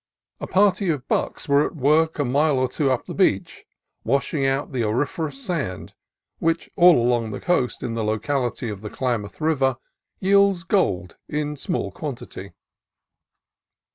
A party of " bucks " were at work a mile or two up the beach, washing out the auriferous sand, which all along the coast in the locality of the Klamath River yields gold in small quantity.